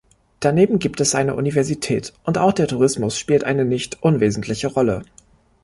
Daneben gibt es eine Universität und auch der Tourismus spielt eine nicht unwesentliche Rolle.